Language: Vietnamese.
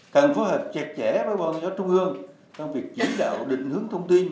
càng phối hợp chẹt chẽ với bọn giáo trung hương trong việc diễn đạo định hướng thông tin